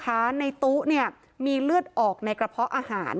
ในตู้เนี่ยมีเลือดออกในกระเพาะอาหาร